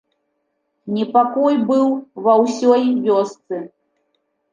Непакой быў ва ўсёй вёсцы.